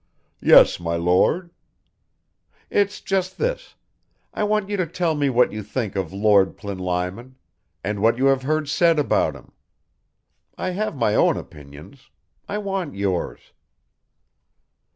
"Yes, my Lord." "It's just this. I want you to tell me what you think of Lord Plinlimon, and what you have heard said about him. I have my own opinions I want yours."